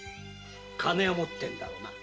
金は持ってるだろうな。